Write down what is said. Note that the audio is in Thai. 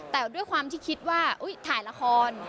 แต่ด้วยความที่คิดว่าถ่ายละคร